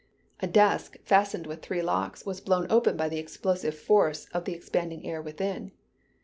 A desk fastened with three locks, was blown open by the explosive force of the expanding air within.